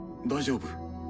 大丈夫？